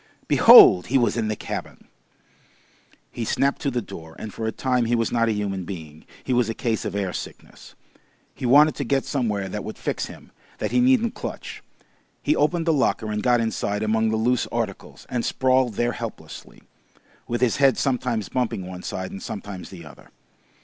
Behold! He was in the cabin! He snapped to the door, and for a time he was not a human being, he was a case of air sickness. He wanted to get somewhere that would fix him, that he needn't clutch. He opened the locker and got inside among the loose articles, and sprawled there helplessly, with his head sometimes bumping one side and sometimes the other.